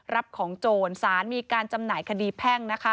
รับของโจรสารมีการจำหน่ายคดีแพ่งนะคะ